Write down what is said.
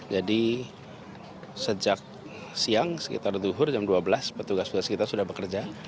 jadi sejak siang sekitar duhur jam dua belas petugas petugas kita sudah bekerja